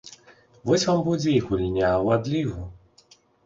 Вось вам будзе і гульня ў адлігу.